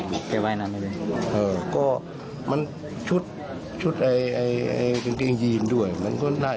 ลูกขึ้นได้มาเรียดตา